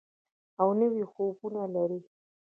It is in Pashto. او نوي خوبونه لري.